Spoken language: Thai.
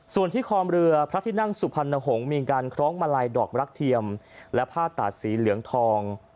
ส่วนที่คอมเรือพระที่นั่งสุพรรณหงษ์มีการคล้องมาลัยดอกรักเทียมและผ้าตาดสีเหลืองทอง